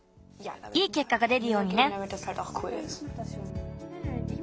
いいけっかが出るようにね。